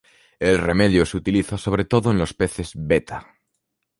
El remedio se utiliza sobre todo en los peces "Betta".